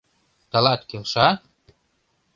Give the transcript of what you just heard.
— Тылат келша?!